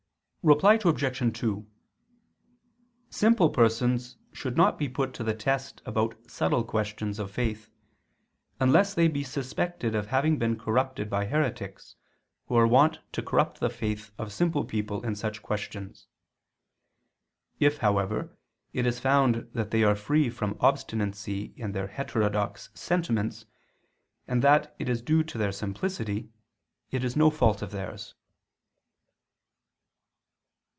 Reply Obj. 2: Simple persons should not be put to the test about subtle questions of faith, unless they be suspected of having been corrupted by heretics, who are wont to corrupt the faith of simple people in such questions. If, however, it is found that they are free from obstinacy in their heterodox sentiments, and that it is due to their simplicity, it is no fault of theirs.